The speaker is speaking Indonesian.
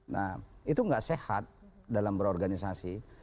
nah itu nggak sehat dalam berorganisasi